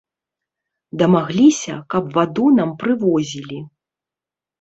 Дамагліся, каб ваду нам прывозілі.